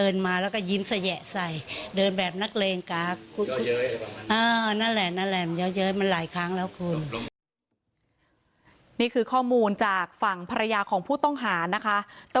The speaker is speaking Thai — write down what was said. นี่คือข้อมูลจากฝั่งภรรยาของผู้ต้องหานะคะ